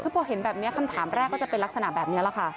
คือพอเห็นแบบนี้คำถามแรกก็จะเป็นลักษณะแบบนี้แหละค่ะ